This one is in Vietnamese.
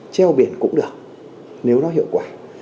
treo biển cũng được nếu nó hiệu quả